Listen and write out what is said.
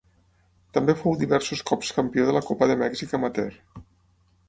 També fou diversos cops campió de la copa de Mèxic amateur.